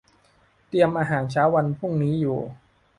เตรียมอาหารเช้าวันพรุ่งนี้อยู่